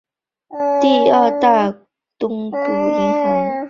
原境外法人股全数为厦门银行的第二大股东富邦银行有限公司持有。